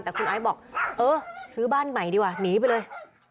แต่คุณไอซ์บอกเออซื้อบ้านใหม่ดีกว่าหนีไปเลย